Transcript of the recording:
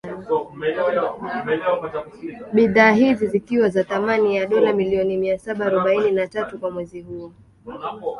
Bidhaa hizi zikiwa za thamani ya dola milioni mia saba arobaini na tatu kwa mwezi huo.